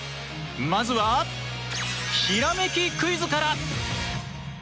まずはひらめきクイズから！